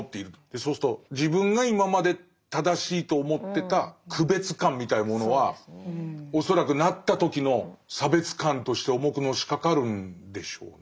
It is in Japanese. そうすると自分が今まで正しいと思ってた区別感みたいなものは恐らくなった時の差別感として重くのしかかるんでしょうね。